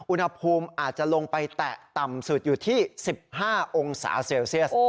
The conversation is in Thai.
อุณหภูมิอาจจะลงไปแตะต่ำสุดอยู่ที่๑๕องศาเซลเซียส